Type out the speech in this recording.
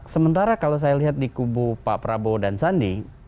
sementara kalau saya lihat di kubu pak prabowo dan sandi